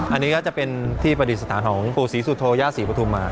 อันนี้ก็จะเป็นที่ประดิษฐานของปู่ศรีสุโธย่าศรีปฐุมา